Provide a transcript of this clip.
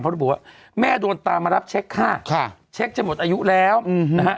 เพราะระบุว่าแม่โดนตามมารับเช็คค่ะเช็คจะหมดอายุแล้วนะฮะ